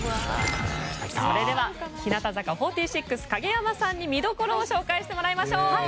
それでは、日向坂４６影山さんに見どころを紹介してもらいましょう。